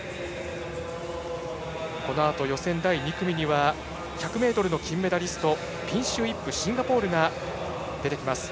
このあと予選第２組に１００ｍの金メダリストピンシュー・イップシンガポールが出てきます。